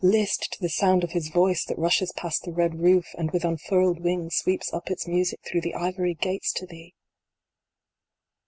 List to the sound of his voice that rushes past the red roof, and with unfurled wings, sweeps up its music through the ivory gates to thee